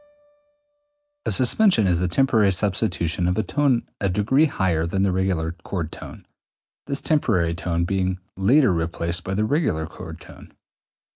A suspension is the temporary substitution of a tone a degree higher than the regular chord tone, this temporary tone being later replaced by the regular chord tone.